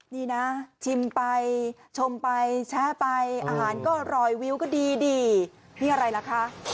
นี่นะชิมไปชมไปแชะไปอาหารก็รอยวิวก็ดีนี่อะไรล่ะคะ